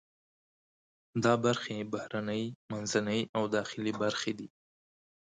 دا برخې بهرنۍ، منځنۍ او داخلي برخې دي.